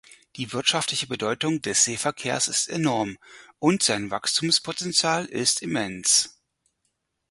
Die wirtschaftliche Bedeutung des Seeverkehrs ist enorm, und sein Wachstumspotenzial ist immens.